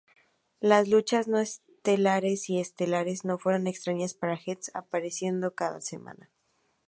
Las luchas no estelares y estelares no fueron extrañas para "Heat", apareciendo cada semana.